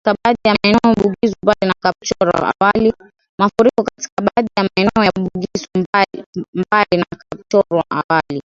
Mafuriko katika baadhi ya maeneo ya Bugisu Mbale na Kapchorwa awali